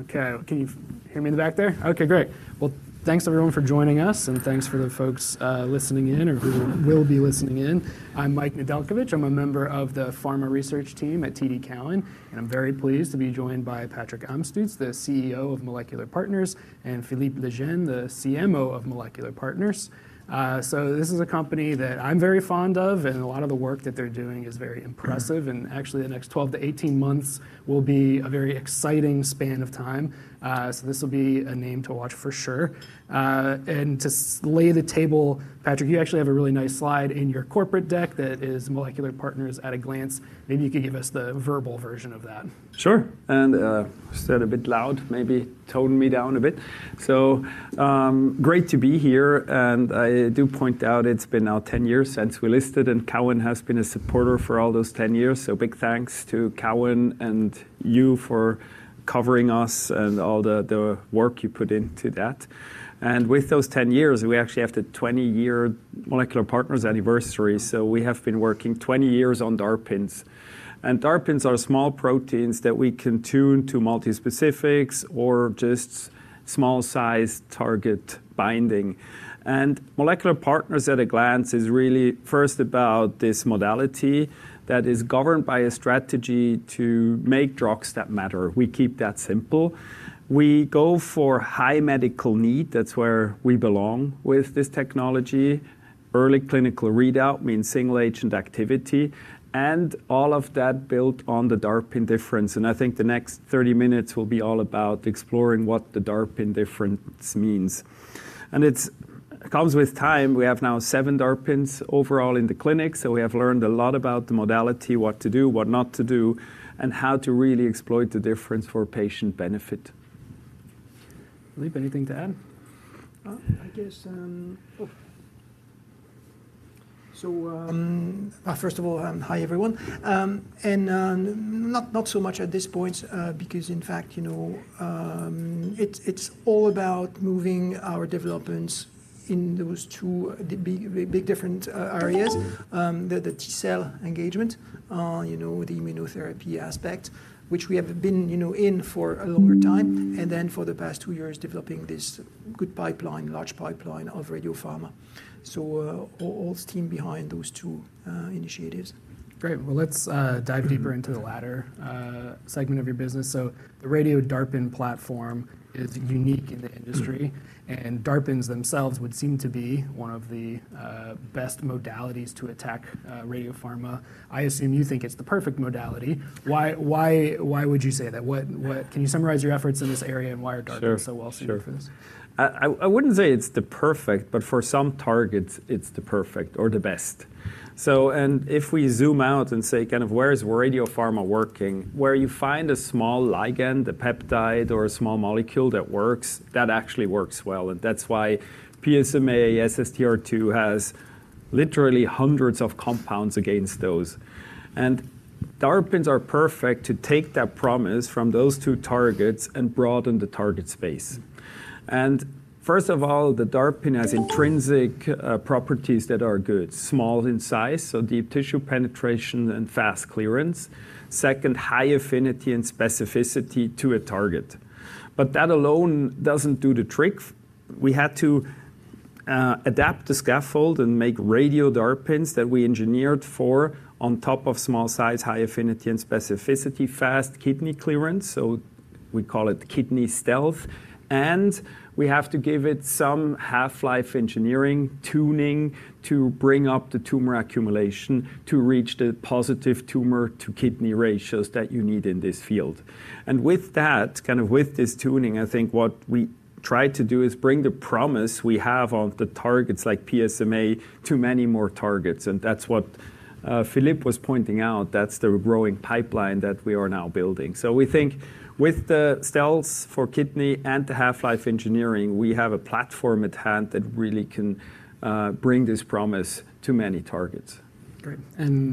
Okay, can you hear me in` back there? Okay, great. Thanks everyone for joining us, and thanks for the folks listening in or who will be listening in. I'm Mike Nedeljkovic. I'm a member of the pharma research team at TD Cowen, and I'm very pleased to be joined by Patrick Amstutz, the CEO of Molecular Partners, and Philippe Legenne, the CMO of Molecular Partners. This is a company that I'm very fond of, and a lot of the work that they're doing is very impressive. Actually, the next 12 to 18 months will be a very exciting span of time. This will be a name to watch for sure. To lay the table, Patrick, you actually have a really nice slide in your corporate deck that is Molecular Partners at a glance. Maybe you could give us the verbal version of that. Sure. I said a bit loud, maybe tone me down a bit. Great to be here. I do point out it's been now 10 years since we listed, and Cowen has been a supporter for all those 10 years. Big thanks to Cowen and you for covering us and all the work you put into that. With those 10 years, we actually have the 20-year Molecular Partners anniversary. We have been working 20 years on DARPins. DARPins are small proteins that we can tune to multi-specifics or just small-sized target binding. Molecular Partners at a glance is really first about this modality that is governed by a strategy to make drugs that matter. We keep that simple. We go for high medical need. That's where we belong with this technology. Early clinical readout means single-agent activity, and all of that built on the DARPin difference. I think the next 30 minutes will be all about exploring what the DARPin difference means. It comes with time. We have now seven DARPins overall in the clinic, so we have learned a lot about the modality, what to do, what not to do, and how to really exploit the difference for patient benefit. Philippe, anything to add? I guess, first of all, hi everyone. Not so much at this point, because in fact, you know, it's all about moving our developments in those two big different areas, the T-cell engagement, you know, the immunotherapy aspect, which we have been in for a longer time, and then for the past two years developing this good pipeline, large pipeline of radiopharma. All steam behind those two initiatives. Great. Let's dive deeper into the latter segment of your business. The radio DARPin platform is unique in the industry, and DARPins themselves would seem to be one of the best modalities to attack radiopharma. I assume you think it's the perfect modality. Why would you say that? Can you summarize your efforts in this area, and why are DARPins so well suited for this? Sure. I wouldn't say it's the perfect, but for some targets, it's the perfect or the best. If we zoom out and say kind of where is radiopharma working, where you find a small ligand, a peptide, or a small molecule that works, that actually works well. That's why PSMA, SSTR2 has literally hundreds of compounds against those. DARPins are perfect to take that promise from those two targets and broaden the target space. First of all, the DARPin has intrinsic properties that are good, small in size, so deep tissue penetration and fast clearance. Second, high affinity and specificity to a target. That alone doesn't do the trick. We had to adapt the scaffold and make radio DARPins that we engineered for on top of small size, high affinity and specificity, fast kidney clearance. We call it kidney stealth. We have to give it some half-life engineering tuning to bring up the tumor accumulation to reach the positive tumor-to-kidney ratios that you need in this field. With that, kind of with this tuning, I think what we try to do is bring the promise we have on the targets like PSMA to many more targets. That is what Philippe was pointing out. That is the growing pipeline that we are now building. We think with the stealth for kidney and the half-life engineering, we have a platform at hand that really can bring this promise to many targets. Great.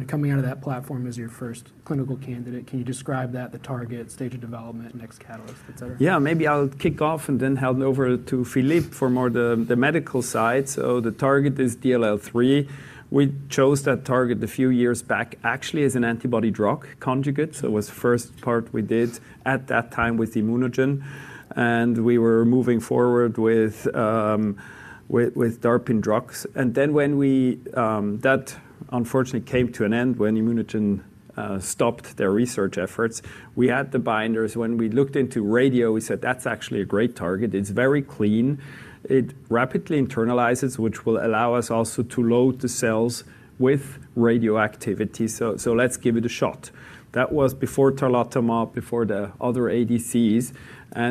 Coming out of that platform as your first clinical candidate, can you describe that, the target, stage of development, next catalyst, et cetera? Yeah, maybe I'll kick off and then hand over to Philippe for more the medical side. The target is DLL3. We chose that target a few years back actually as an antibody drug conjugate. It was the first part we did at that time with ImmunoGen. We were moving forward with DARPin drugs. When that unfortunately came to an end, when ImmunoGen stopped their research efforts, we had the binders. When we looked into radio, we said, that's actually a great target. It's very clean. It rapidly internalizes, which will allow us also to load the cells with radioactivity. Let's give it a shot. That was before Tarlatamab, before the other ADCs.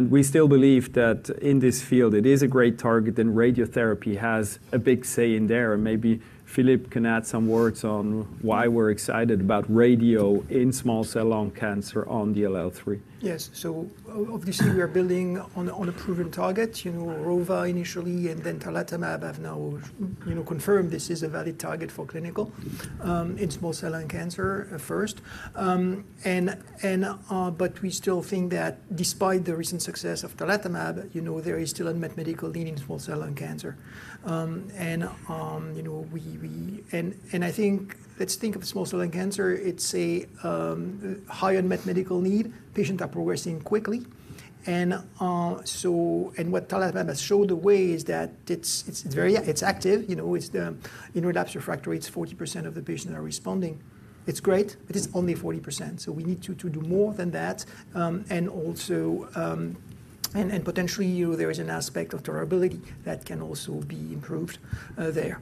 We still believe that in this field, it is a great target, and radiotherapy has a big say in there. Maybe Philippe can add some words on why we're excited about radio in small cell lung cancer on DLL3. Yes. Obviously, we are building on a proven target. You know, ROVA initially and then Tarlatamab have now confirmed this is a valid target for clinical in small cell lung cancer first. You know, we still think that despite the recent success of Tarlatamab, there is still unmet medical need in small cell lung cancer. I think let's think of small cell lung cancer. It's a high unmet medical need. Patients are progressing quickly. What Tarlatamab has showed the way is that it's active. You know, it's the in-relapse refractory. It's 40% of the patients that are responding. It's great, but it's only 40%. We need to do more than that. Potentially, there is an aspect of durability that can also be improved there.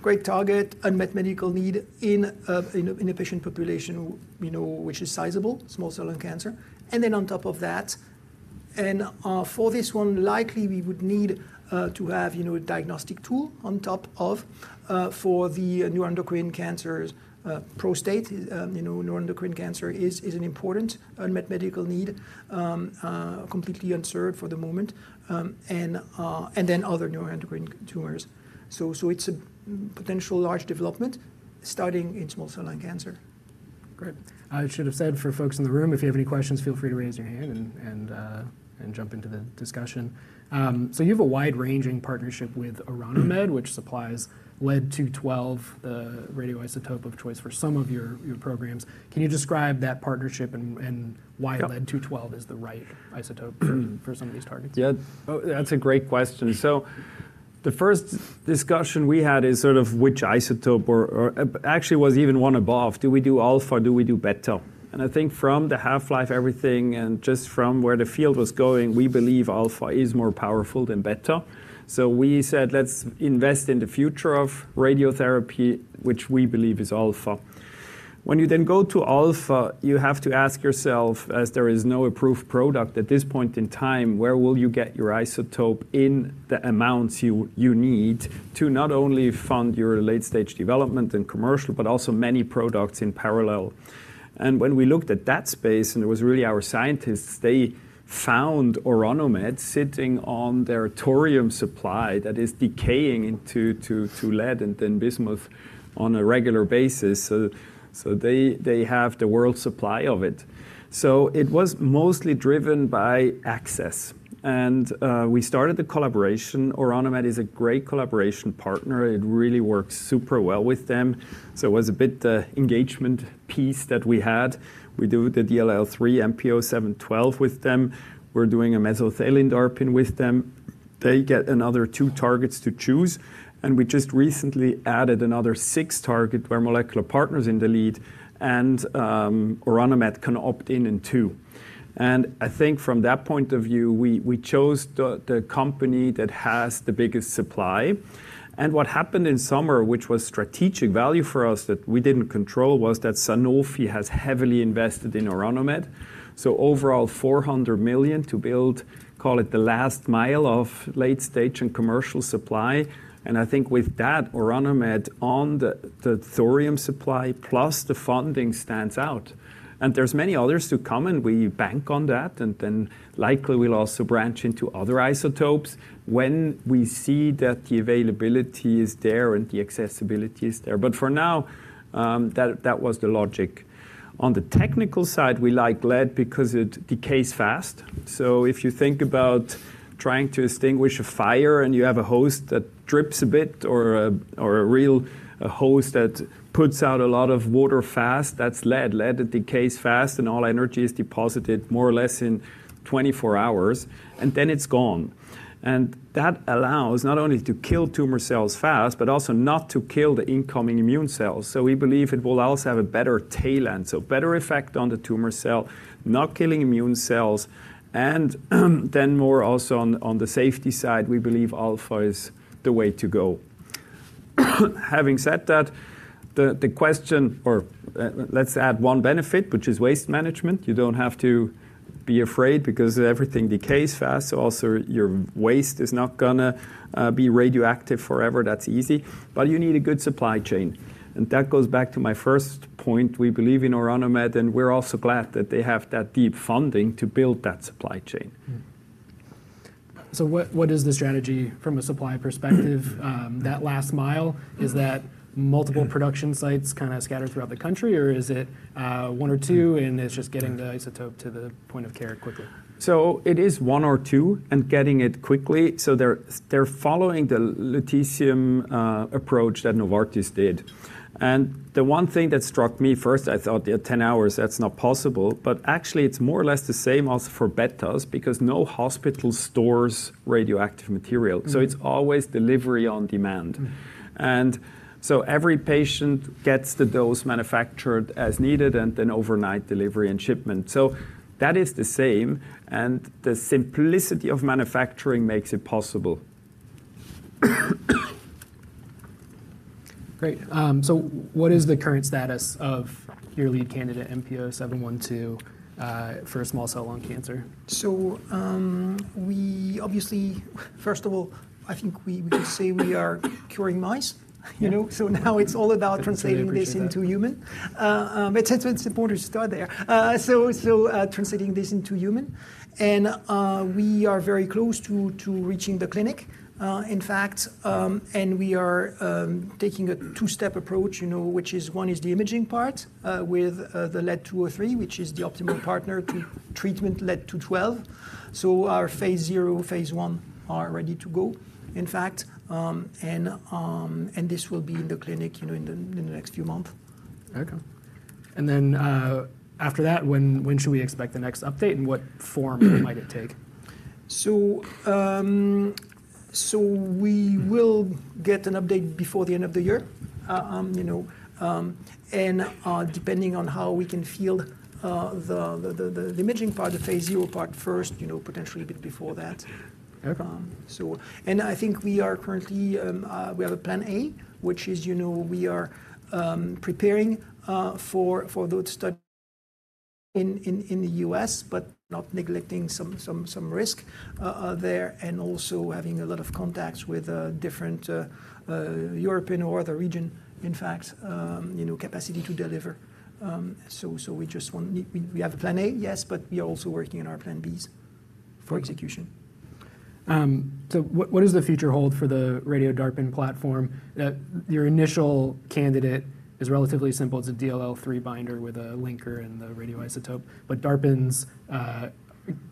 Great target, unmet medical need in a patient population, which is sizable, small cell lung cancer. On top of that, and for this one, likely we would need to have a diagnostic tool on top of for the neuroendocrine cancers, prostate, neuroendocrine cancer is an important unmet medical need, completely unserved for the moment, and then other neuroendocrine tumors. It is a potential large development starting in small cell lung cancer. Great. I should have said for folks in the room, if you have any questions, feel free to raise your hand and jump into the discussion. You have a wide-ranging partnership with Orano Med, which supplies Pb-212, the radioisotope of choice for some of your programs. Can you describe that partnership and why Pb-212 is the right isotope for some of these targets? Yeah, that's a great question. The first discussion we had is sort of which isotope, or actually it was even one above. Do we do alpha? Do we do beta? I think from the half-life, everything, and just from where the field was going, we believe alpha is more powerful than beta. We said, let's invest in the future of radiotherapy, which we believe is alpha. When you then go to alpha, you have to ask yourself, as there is no approved product at this point in time, where will you get your isotope in the amounts you need to not only fund your late-stage development and commercial, but also many products in parallel. When we looked at that space, and it was really our scientists, they found Orano Med sitting on their thorium supply that is decaying into lead and then bismuth on a regular basis. They have the world supply of it. It was mostly driven by access. We started the collaboration. Orano Med is a great collaboration partner. It really works super well with them. It was a bit the engagement piece that we had. We do the DLL3, MP0712 with them. We're doing a mesothelin DARPin with them. They get another two targets to choose. We just recently added another six targets where Molecular Partners is in the lead, and Orano Med can opt in in two. I think from that point of view, we chose the company that has the biggest supply. What happened in summer, which was strategic value for us that we didn't control, was that Sanofi has heavily invested in Orano Med. Overall, $400 million to build, call it the last mile of late-stage and commercial supply. I think with that, Orano Med on the thorium supply plus the funding stands out. There are many others to come, and we bank on that. We will also likely branch into other isotopes when we see that the availability is there and the accessibility is there. For now, that was the logic. On the technical side, we like lead because it decays fast. If you think about trying to extinguish a fire and you have a hose that drips a bit or a real hose that puts out a lot of water fast, that's lead. Lead decays fast, and all energy is deposited more or less in 24 hours, and then it's gone. That allows not only to kill tumor cells fast, but also not to kill the incoming immune cells. We believe it will also have a better tail end, so better effect on the tumor cell, not killing immune cells. More also on the safety side, we believe alpha is the way to go. Having said that, the question, or let's add one benefit, which is waste management. You don't have to be afraid because everything decays fast. Also your waste is not going to be radioactive forever. That's easy. You need a good supply chain. That goes back to my first point. We believe in Orano Med, and we're also glad that they have that deep funding to build that supply chain. What is the strategy from a supply perspective? That last mile, is that multiple production sites kind of scattered throughout the country, or is it one or two, and it's just getting the isotope to the point of care quickly? It is one or two and getting it quickly. They are following the lutetium approach that Novartis did. The one thing that struck me first, I thought 10 hours, that's not possible. Actually, it's more or less the same as for betas because no hospital stores radioactive material. It is always delivery on demand. Every patient gets the dose manufactured as needed and then overnight delivery and shipment. That is the same. The simplicity of manufacturing makes it possible. Great. What is the current status of your lead candidate, MP0712, for small cell lung cancer? First of all, I think we can say we are curing mice. You know, now it's all about translating this into human. It's important to start there. Translating this into human. We are very close to reaching the clinic, in fact. We are taking a two-step approach, you know, which is one is the imaging part with the lead-203, which is the optimal partner to treatment lead-212. Our phase zero, phase one are ready to go, in fact. This will be in the clinic in the next few months. Okay. After that, when should we expect the next update and what form might it take? We will get an update before the end of the year. Depending on how we can field the imaging part, the phase zero part first, potentially a bit before that. I think we are currently, we have a plan A, which is we are preparing for those studies in the US, but not neglecting some risk there, and also having a lot of contacts with different European or other region, in fact, capacity to deliver. We just want, we have a plan A, yes, but we are also working on our plan Bs for execution. What does the future hold for the radio DARPin platform? Your initial candidate is relatively simple. It's a DLL3 binder with a linker and the radioisotope. DARPins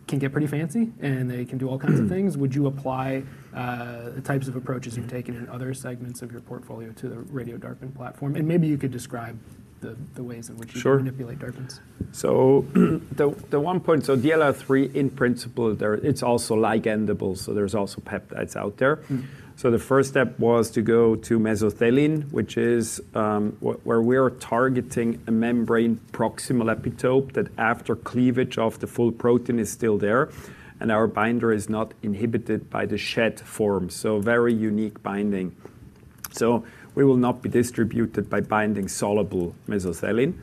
can get pretty fancy, and they can do all kinds of things. Would you apply the types of approaches you've taken in other segments of your portfolio to the radio DARPin platform? Maybe you could describe the ways in which you manipulate DARPins. The one point, DLL3 in principle, it's also ligandable. There's also peptides out there. The first step was to go to mesothelin, which is where we are targeting a membrane proximal epitope that after cleavage of the full protein is still there, and our binder is not inhibited by the shed form. Very unique binding. We will not be distributed by binding soluble mesothelin,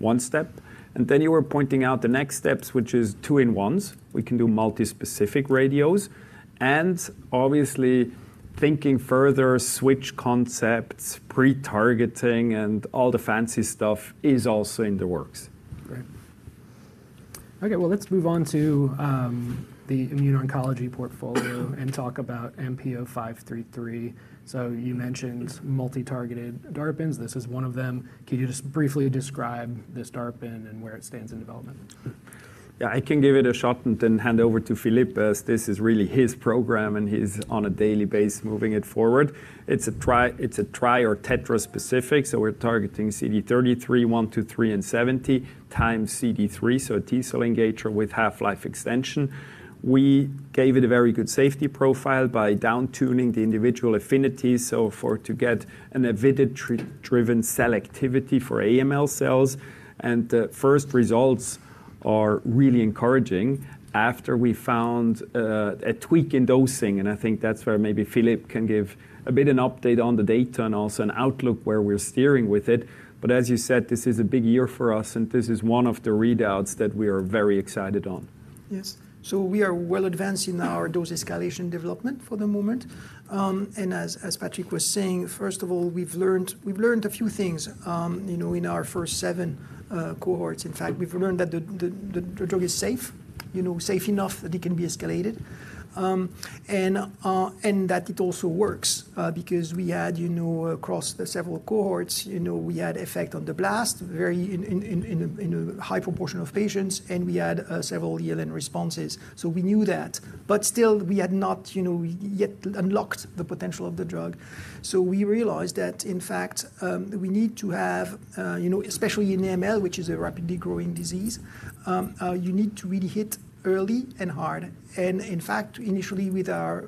one step. You were pointing out the next steps, which is two-in-ones. We can do multi-specific radios. Obviously, thinking further, switch concepts, pre-targeting, and all the fancy stuff is also in the works. Great. Okay, let's move on to the immune oncology portfolio and talk about MP0533. You mentioned multi-targeted DARPins. This is one of them. Can you just briefly describe this DARPin and where it stands in development? Yeah, I can give it a shot and then hand over to Philippe as this is really his program, and he's on a daily base moving it forward. It's a tri or tetraspecific. We are targeting CD33, 123, and 70 times CD3, so a T-cell engager with half-life extension. We gave it a very good safety profile by downtuning the individual affinities to get an avidity-driven selectivity for AML cells. The first results are really encouraging after we found a tweak in dosing. I think that's where maybe Philippe can give a bit of an update on the data and also an outlook where we're steering with it. As you said, this is a big year for us, and this is one of the readouts that we are very excited on. Yes. We are well advanced in our dose escalation development for the moment. As Patrick was saying, first of all, we've learned a few things in our first seven cohorts. In fact, we've learned that the drug is safe, safe enough that it can be escalated, and that it also works because we had across several cohorts, we had effect on the blast, very in a high proportion of patients, and we had several ELN responses. We knew that. Still, we had not yet unlocked the potential of the drug. We realized that, in fact, we need to have, especially in AML, which is a rapidly growing disease, you need to really hit early and hard. In fact, initially with our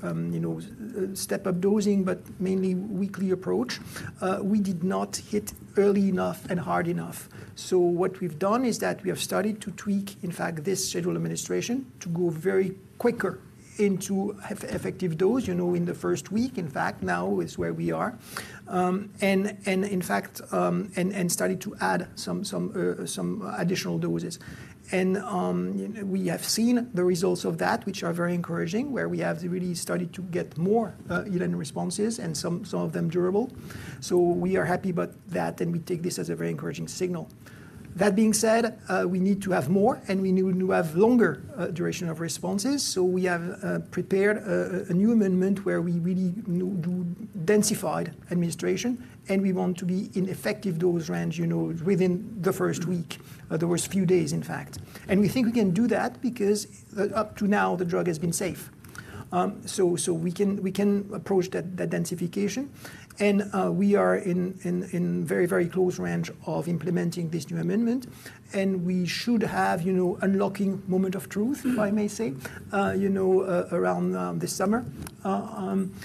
step-up dosing, but mainly weekly approach, we did not hit early enough and hard enough. What we have done is that we have started to tweak, in fact, this schedule administration to go very quicker into effective dose in the first week. In fact, now is where we are. In fact, started to add some additional doses. We have seen the results of that, which are very encouraging, where we have really started to get more ELN responses and some of them durable. We are happy about that, and we take this as a very encouraging signal. That being said, we need to have more, and we need to have longer duration of responses. We have prepared a new amendment where we really do densified administration, and we want to be in effective dose range within the first week, the first few days, in fact. We think we can do that because up to now, the drug has been safe. We can approach that densification. We are in very, very close range of implementing this new amendment. We should have unlocking moment of truth, if I may say, around this summer, and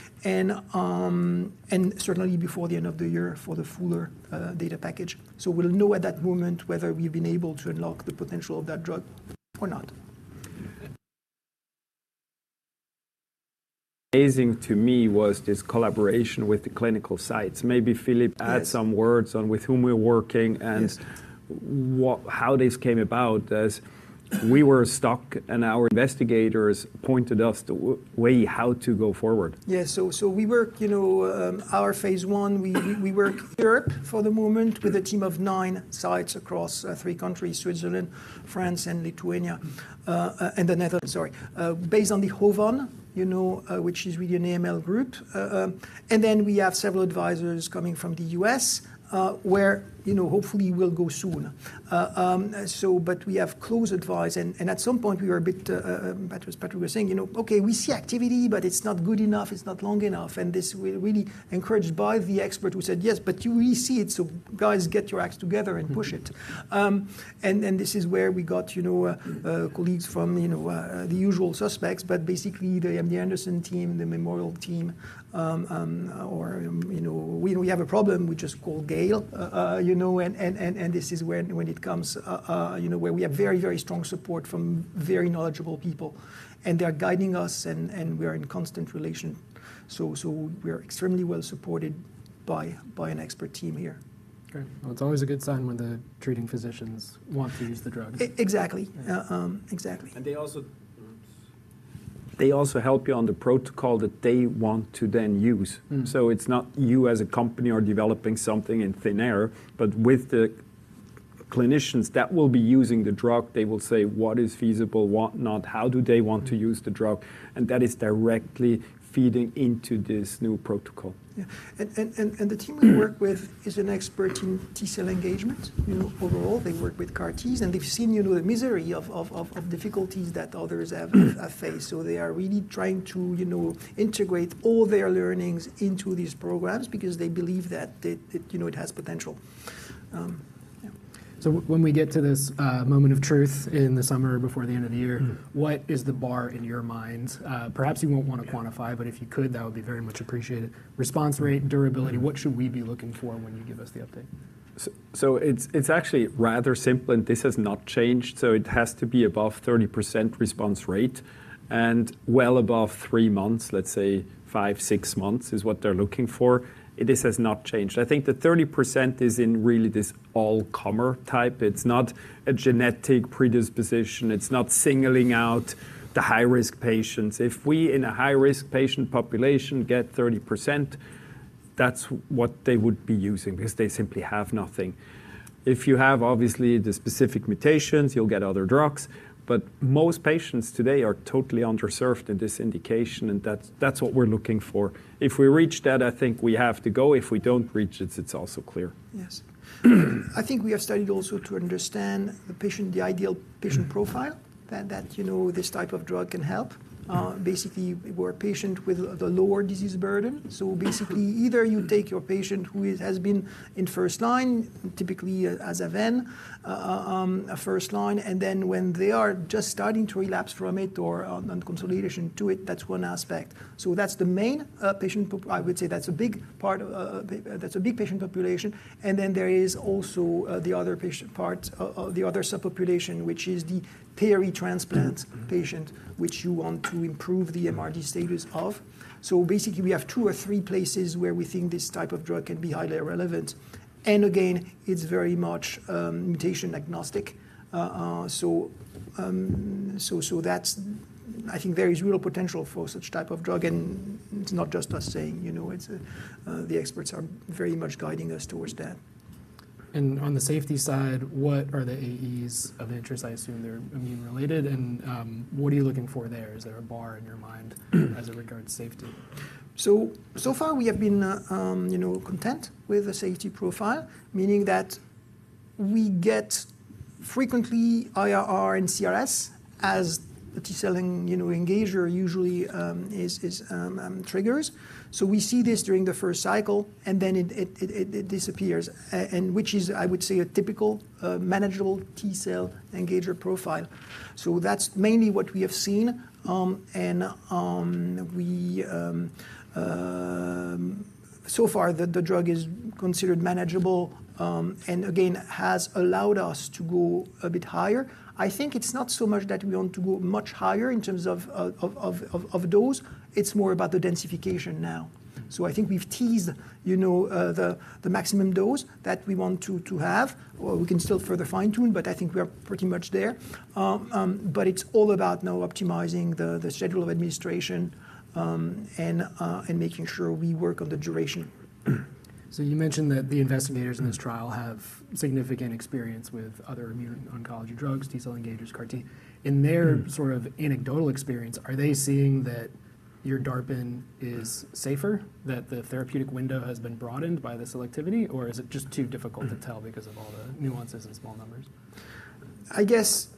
certainly before the end of the year for the fuller data package. We will know at that moment whether we have been able to unlock the potential of that drug or not. Amazing to me was this collaboration with the clinical sites. Maybe Philippe adds some words on with whom we're working and how this came about as we were stuck and our investigators pointed us the way how to go forward. Yeah, so we work, our phase one, we work in Europe for the moment with a team of nine sites across three countries, Switzerland, France, and Lithuania, and the Netherlands, sorry, based on the HOVON, which is really an AML group. We have several advisors coming from the US, where hopefully we'll go soon. We have close advice. At some point, we were a bit, as Patrick was saying, okay, we see activity, but it's not good enough. It's not long enough. This was really encouraged by the expert who said, yes, but you really see it. So guys, get your acts together and push it. This is where we got colleagues from the usual suspects, but basically the MD Anderson team, the Memorial team, or we have a problem, we just call Gail. When it comes, we have very, very strong support from very knowledgeable people. They are guiding us, and we are in constant relation. We are extremely well supported by an expert team here. Okay. It is always a good sign when the treating physicians want to use the drugs. Exactly. Exactly. They also help you on the protocol that they want to then use. It is not you as a company or developing something in thin air, but with the clinicians that will be using the drug, they will say what is feasible, what not, how do they want to use the drug. That is directly feeding into this new protocol. Yeah. The team we work with is an expert in T-cell engagement. Overall, they work with CAR-Ts, and they've seen the misery of difficulties that others have faced. They are really trying to integrate all their learnings into these programs because they believe that it has potential. When we get to this moment of truth in the summer before the end of the year, what is the bar in your mind? Perhaps you won't want to quantify, but if you could, that would be very much appreciated. Response rate, durability, what should we be looking for when you give us the update? It is actually rather simple, and this has not changed. It has to be above 30% response rate and well above three months, let's say five, six months is what they are looking for. This has not changed. I think the 30% is in really this all-comer type. It is not a genetic predisposition. It is not singling out the high-risk patients. If we in a high-risk patient population get 30%, that is what they would be using because they simply have nothing. If you have obviously the specific mutations, you will get other drugs. Most patients today are totally underserved in this indication, and that is what we are looking for. If we reach that, I think we have to go. If we do not reach it, it is also clear. Yes. I think we have studied also to understand the patient, the ideal patient profile that this type of drug can help. Basically, we're a patient with a lower disease burden. Basically, either you take your patient who has been in first line, typically as a VEN, a first line, and then when they are just starting to relapse from it or on consolidation to it, that's one aspect. That's the main patient. I would say that's a big part, that's a big patient population. There is also the other patient part, the other subpopulation, which is the pre-transplant patient, which you want to improve the MRD status of. Basically, we have two or three places where we think this type of drug can be highly relevant. Again, it's very much mutation agnostic. I think there is real potential for such type of drug. And it's not just us saying, the experts are very much guiding us towards that. On the safety side, what are the AEs of interest? I assume they're immune-related. What are you looking for there? Is there a bar in your mind as it regards safety? So far, we have been content with the safety profile, meaning that we get frequently IRR and CRS as the T-cell engager usually triggers. We see this during the first cycle, and then it disappears, which is, I would say, a typical manageable T-cell engager profile. That is mainly what we have seen. So far, the drug is considered manageable and again, has allowed us to go a bit higher. I think it is not so much that we want to go much higher in terms of dose. It is more about the densification now. I think we have teased the maximum dose that we want to have. We can still further fine-tune, but I think we are pretty much there. It is all about now optimizing the schedule of administration and making sure we work on the duration. You mentioned that the investigators in this trial have significant experience with other immune oncology drugs, T-cell engagers, CAR-T. In their sort of anecdotal experience, are they seeing that your DARPin is safer, that the therapeutic window has been broadened by the selectivity, or is it just too difficult to tell because of all the nuances and small numbers? I guess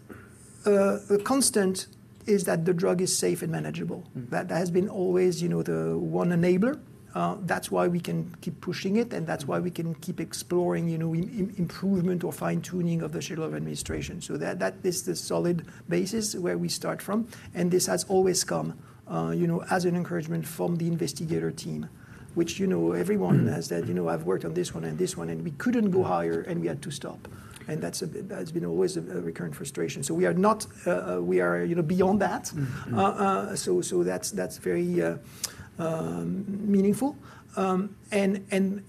the constant is that the drug is safe and manageable. That has been always the one enabler. That's why we can keep pushing it, and that's why we can keep exploring improvement or fine-tuning of the schedule of administration. That is the solid basis where we start from. This has always come as an encouragement from the investigator team, which everyone has said, "I've worked on this one and this one, and we couldn't go higher, and we had to stop." That's been always a recurrent frustration. We are not, we are beyond that. That's very meaningful.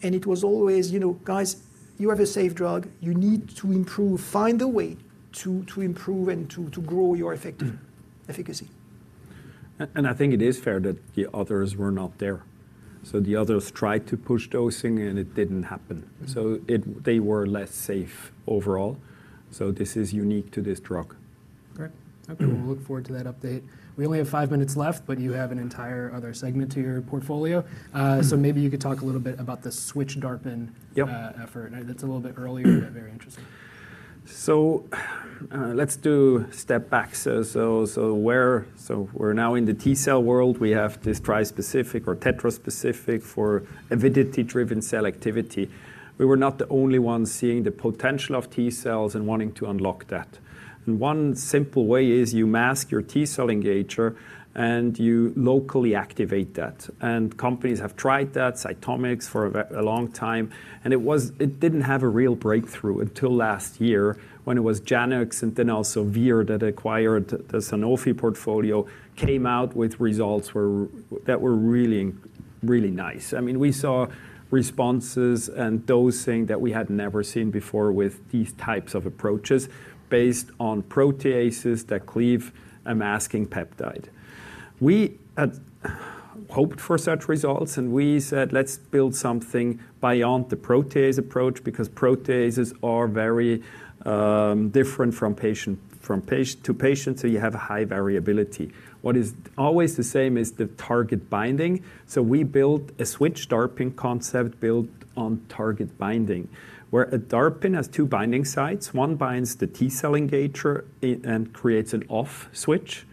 It was always, "Guys, you have a safe drug. You need to improve, find a way to improve and to grow your efficacy. I think it is fair that the others were not there. The others tried to push dosing, and it did not happen. They were less safe overall. This is unique to this drug. Great. Okay, we'll look forward to that update. We only have five minutes left, but you have an entire other segment to your portfolio. Maybe you could talk a little bit about the switch DARPin effort. That's a little bit earlier, but very interesting. Let's do a step back. We're now in the T-cell world. We have this trispecific or tetraspecific for avidity-driven selectivity. We were not the only ones seeing the potential of T-cells and wanting to unlock that. One simple way is you mask your T-cell engager and you locally activate that. Companies have tried that, CytomX, for a long time. It did not have a real breakthrough until last year when it was Janux and then also Vir that acquired the Sanofi portfolio came out with results that were really, really nice. I mean, we saw responses and dosing that we had never seen before with these types of approaches based on proteases that cleave a masking peptide. We had hoped for such results, and we said, "Let's build something beyond the protease approach because proteases are very different from patient to patient, so you have high variability." What is always the same is the target binding. So we built a switch DARPin concept built on target binding, where a DARPin has two binding sites. One binds the T-cell engager and creates an off switch.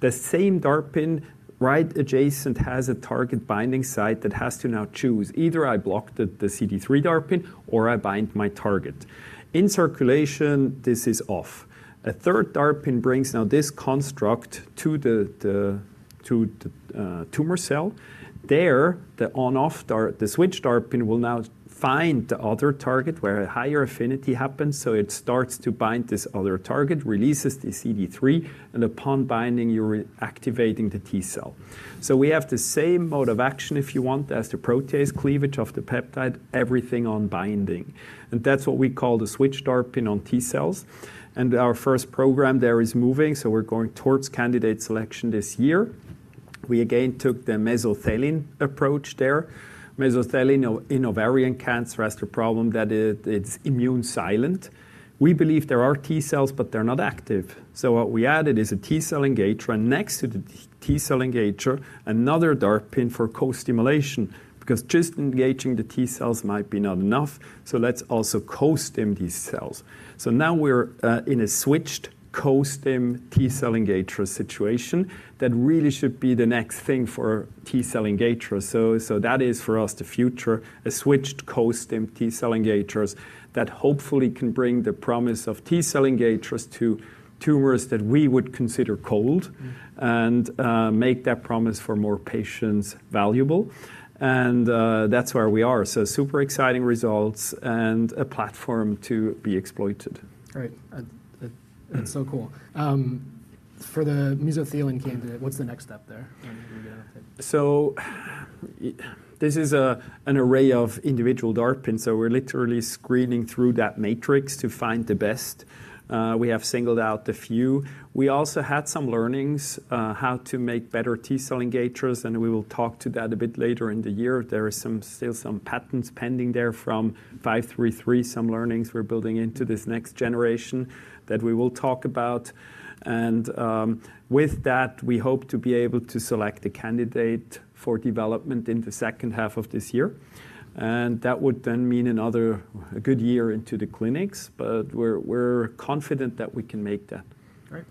The same DARPin right adjacent has a target binding site that has to now choose, either I block the CD3 DARPin or I bind my target. In circulation, this is off. A third DARPin brings now this construct to the tumor cell. There, the switch DARPin will now find the other target where a higher affinity happens. It starts to bind this other target, releases the CD3, and upon binding, you're activating the T-cell. We have the same mode of action, if you want, as the protease cleavage of the peptide, everything on binding. That's what we call the switch DARPin on T-cells. Our first program there is moving, so we're going towards candidate selection this year. We again took the mesothelin approach there. Mesothelin in ovarian cancer has the problem that it's immune silent. We believe there are T-cells, but they're not active. What we added is a T-cell engager and next to the T-cell engager, another DARPin for co-stimulation because just engaging the T-cells might be not enough. Let's also co-stim these cells. Now we're in a switched co-stim T-cell engager situation that really should be the next thing for T-cell engagers. That is for us the future, a switched co-stim T-cell engagers that hopefully can bring the promise of T-cell engagers to tumors that we would consider cold and make that promise for more patients valuable. That is where we are. Super exciting results and a platform to be exploited. All right. That's so cool. For the mesothelin candidate, what's the next step there? This is an array of individual DARPins. We are literally screening through that matrix to find the best. We have singled out a few. We also had some learnings how to make better T-cell engagers, and we will talk to that a bit later in the year. There are still some patents pending there from 533, some learnings we are building into this next generation that we will talk about. With that, we hope to be able to select a candidate for development in the second half of this year. That would then mean another good year into the clinics, but we are confident that we can make that. All right.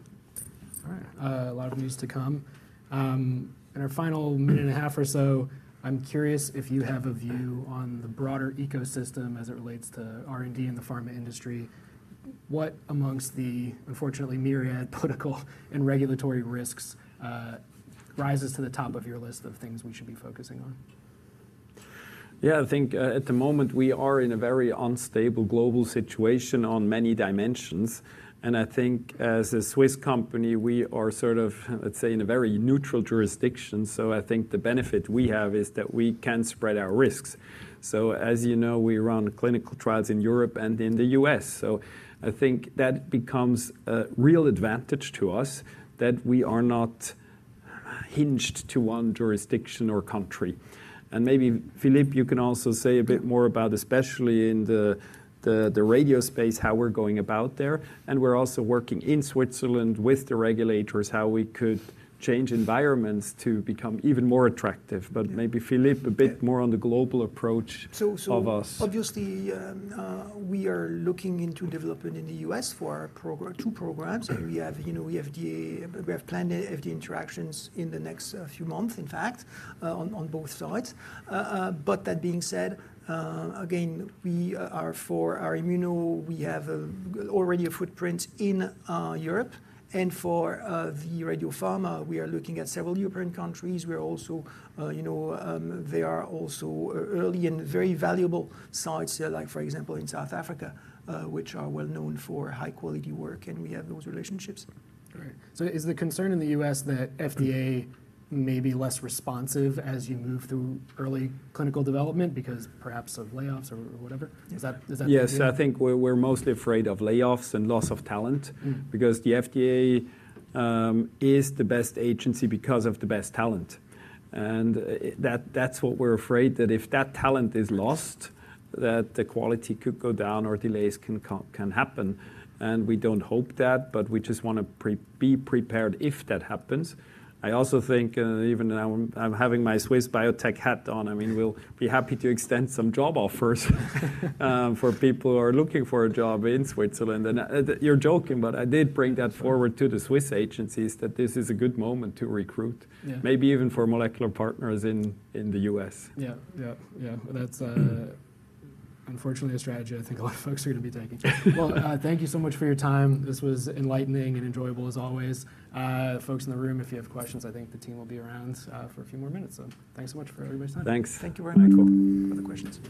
All right. A lot of news to come. In our final minute and a half or so, I'm curious if you have a view on the broader ecosystem as it relates to R&D in the pharma industry. What amongst the unfortunately myriad political and regulatory risks rises to the top of your list of things we should be focusing on? Yeah, I think at the moment we are in a very unstable global situation on many dimensions. I think as a Swiss company, we are sort of, let's say, in a very neutral jurisdiction. I think the benefit we have is that we can spread our risks. As you know, we run clinical trials in Europe and in the US. I think that becomes a real advantage to us that we are not hinged to one jurisdiction or country. Maybe Philippe, you can also say a bit more about, especially in the radio space, how we're going about there. We are also working in Switzerland with the regulators how we could change environments to become even more attractive. Maybe Philippe, a bit more on the global approach of us. Obviously, we are looking into development in the U.S. for two programs. We have planned FDA interactions in the next few months, in fact, on both sides. That being said, again, for our immuno, we have already a footprint in Europe. For the radiopharma, we are looking at several European countries. They are also early and very valuable sites, like for example, in South Africa, which are well known for high-quality work, and we have those relationships. All right. Is the concern in the U.S. that FDA may be less responsive as you move through early clinical development because perhaps of layoffs or whatever? Is that the case? Yes. I think we're mostly afraid of layoffs and loss of talent because the FDA is the best agency because of the best talent. That's what we're afraid that if that talent is lost, the quality could go down or delays can happen. We don't hope that, but we just want to be prepared if that happens. I also think even now I'm having my Swiss biotech hat on. I mean, we'll be happy to extend some job offers for people who are looking for a job in Switzerland. You're joking, but I did bring that forward to the Swiss agencies that this is a good moment to recruit, maybe even for Molecular Partners in the US. Yeah, yeah, yeah. That's unfortunately a strategy I think a lot of folks are going to be taking. Thank you so much for your time. This was enlightening and enjoyable as always. Folks in the room, if you have questions, I think the team will be around for a few more minutes. Thanks so much for everybody's time. Thanks. Thank you very much. Cool. Other questions?